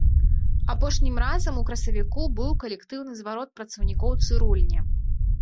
Апошнім разам у красавіку быў калектыўны зварот працаўнікоў цырульні.